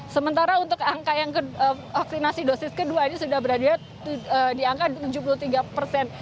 sementara untuk angka yang vaksinasi dosis kedua ini sudah berada di angka tujuh puluh tiga persen